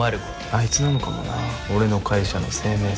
あいつなのかもな俺の会社の生命線。